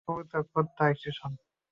কবুতর, কুত্তা, স্টেশন।